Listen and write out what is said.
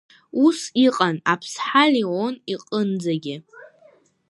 Ус иҟан Аԥсҳа Леон иҟынӡагьы.